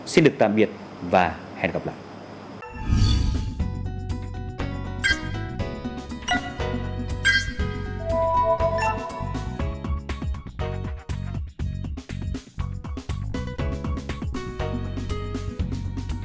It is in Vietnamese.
xin được tạm biệt và hẹn gặp lại